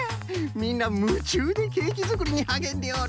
みんなむちゅうでケーキづくりにはげんでおる。